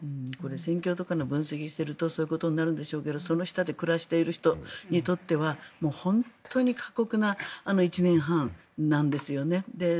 戦況とかの分析をしているとそうなるんでしょうけどその下で暮らしている人にとっては本当に過酷な１年半なんですよね。